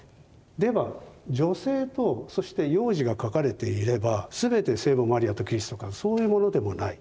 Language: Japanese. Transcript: では女性とそして幼児が描かれていれば全て聖母マリアとキリストかというとそういうものでもない。